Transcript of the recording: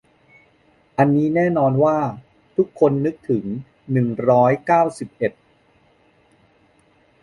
อันนี้แน่นอนว่าทุกคนนึกถึง หนึ่งร้อยเก้าสิบเอ็ด